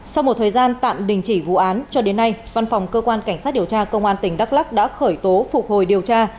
sau một thời gian tạm đình chỉ vụ án cho đến nay văn phòng cơ quan cảnh sát điều tra công an tỉnh đắk lắc đã khởi tố phục hồi điều tra